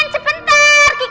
hai mbak gigi